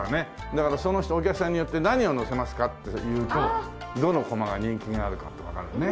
だからその人お客さんによって「何をのせますか？」っていうとどの駒が人気があるかってわかるよね。